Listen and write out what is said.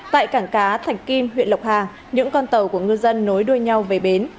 tại cảng cá thạch kim huyện lộc hà những con tàu của ngư dân nối đuôi nhau về bến